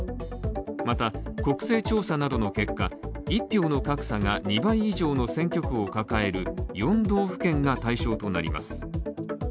また、国勢調査などの結果、一票の格差が２倍以上の選挙区を抱える４道府県が対象となります。